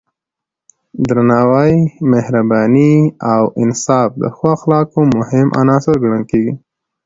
درناوی، مهرباني او انصاف د ښو اخلاقو مهم عناصر ګڼل کېږي.